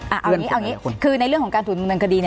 เอาอย่างนี้คือในเรื่องของการถูกโดนหนังคดี